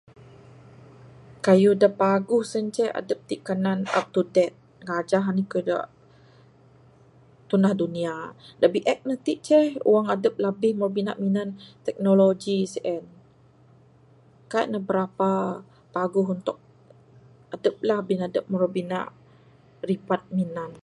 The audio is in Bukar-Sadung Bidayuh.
Kayuh da paguh sien ceh adep ti kanan up to date ngajah nih kayuh da tunah dunia. Da biek ne ti ce wang adep labih maru bina minan teknologi sien. Kaik ne birapa paguh untuk adep la bin adep maru bina ripat minan ne.